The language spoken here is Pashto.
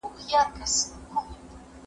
هغه لار چي ته پر ځي ډېره سمه ده.